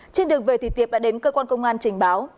trên đường về thì tiệp đã đến cơ quan công an trình báo